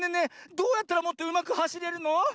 どうやったらもっとうまくはしれるの？